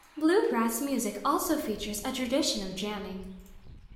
Bluegrass music also features a tradition of jamming.